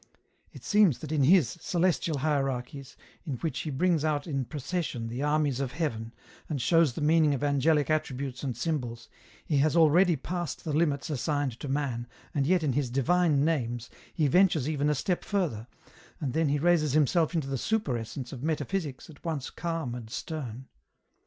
" It seems that in his * Celestial Hierarchies,' in which he brings out in procession the armies of heaven, and shows the meaning of angelic attributes and symbols, he has already passed the limits assigned to man, and yet in his ' Divine Names ' he ventures even a step further, and then he raises himself into the super essence of metaphysics at once calm and stern.